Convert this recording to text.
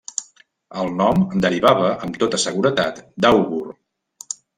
El nom derivava amb tota seguretat d'àugur.